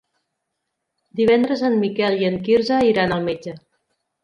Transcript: Divendres en Miquel i en Quirze iran al metge.